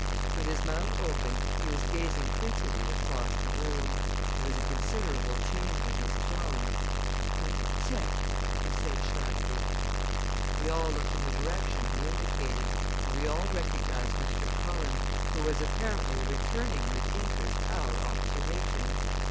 With his mouth open he was gazing fixedly across the room. There was a considerable change in his tone. "'Ware 'tec'!" he said sharply. We all looked in the direction he indicated, and we all recognized Mr. Cullen, who was apparently returning with interest our observation.